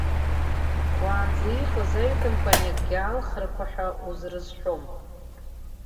Уаанӡа иҟаз аҩкампаниакгьы алхрақәа ҳәа узрызҳәом.